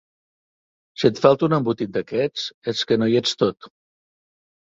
Si et falta un embotit d'aquests és que no hi ets tot.